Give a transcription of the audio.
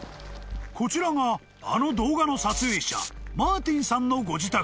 ［こちらがあの動画の撮影者マーティンさんのご自宅］